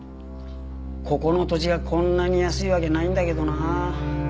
ここの土地がこんなに安いわけないんだけどな。